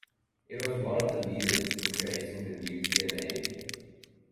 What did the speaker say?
It was one of the leaders in creating the nuclear navy.